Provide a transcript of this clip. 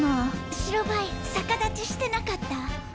白バイ逆立ちしてなかった？